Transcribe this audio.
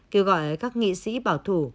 kêu gọi các nghị sĩ bảo thủ